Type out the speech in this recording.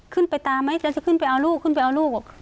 ขึ้นไปตามไหมแล้วจะขึ้นไปเอาลูกขึ้นไปเอาลูก